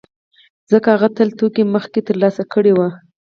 ځکه هغه خپل توکي مخکې ترلاسه کړي وو